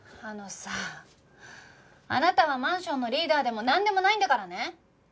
あのさあなたはマンションのリーダーでもなんでもないんだからね。